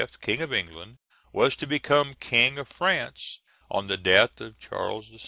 king of England, was to become king of France on the death of Charles VI.